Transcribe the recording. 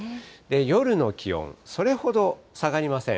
夜の気温、それほど下がりません。